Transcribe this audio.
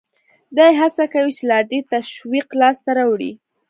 دی هڅه کوي چې لا ډېر تشویق لاس ته راوړي